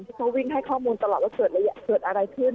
เขาก็วิ่งให้ข้อมูลตลอดว่าเกิดอะไรขึ้น